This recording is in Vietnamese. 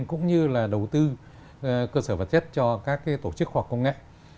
cũng như là đầu tư cơ sở vật chất cho các tổ chức khoa học công nghệ